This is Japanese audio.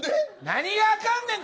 何があかんねん。